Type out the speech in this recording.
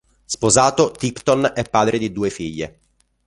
Sposato, Tipton è padre di due figlie.